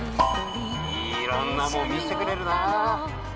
いろんなもん見せてくれるな。